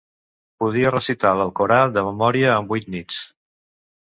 Podia recitar l'alcorà de memòria en vuit nits.